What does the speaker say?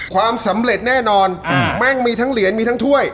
ความสำเร็จแน่นอนแม่งมีทั้งเหรียญมีทั้งถ้วย